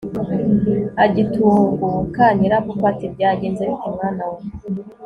agitunguka, nyirabukwe ati byagenze bite, mwana wa